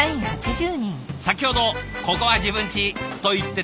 先ほど「ここは自分ち」と言ってた田鎖さん。